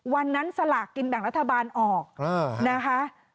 วันนั้นสลากกินแบ่งรัฐบาลออกนะคะ